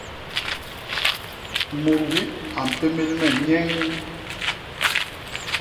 Mut wip a mpémél me nyeeñ.